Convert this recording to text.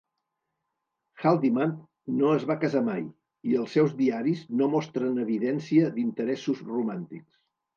Haldimand no es va casar mai, i els seus diaris no mostren evidència d'interessos romàntics.